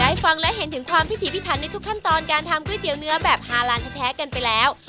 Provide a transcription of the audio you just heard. ฟังและเห็นถึงความพิถีพิถันในทุกขั้นตอนการทำก๋วยเตี๋ยเนื้อแบบฮาลานแท้กันไปแล้ว